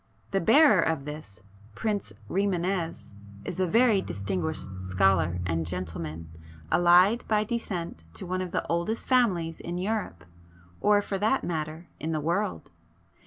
The bearer of this, Prince Rimânez, is a very distinguished scholar and gentleman, allied by descent to one of the oldest families in Europe, or for that matter, in the world.